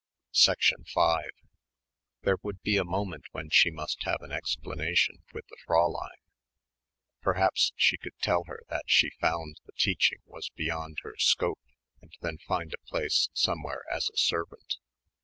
5 There would be a moment when she must have an explanation with the Fräulein. Perhaps she could tell her that she found the teaching was beyond her scope and then find a place somewhere as a servant.